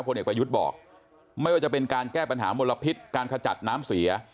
เอกประยุทธ์บอกไม่ว่าจะเป็นการแก้ปัญหามลพิษการขจัดน้ำเสีย